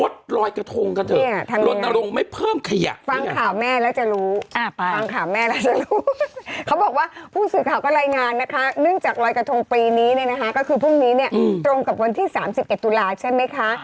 ตรงกับวันที่๓๑ตุลาทใช่ไหมคะ